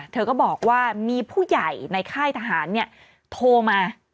เธอก็บอกว่ามีผู้ใหญ่ในค่ายทหารโทรมา